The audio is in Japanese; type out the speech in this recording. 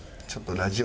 ラジオ？